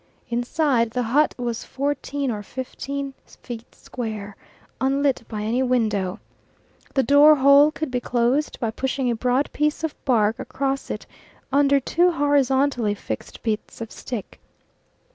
Inside, the hut was fourteen or fifteen feet square, unlit by any window. The door hole could be closed by pushing a broad piece of bark across it under two horizontally fixed bits of stick.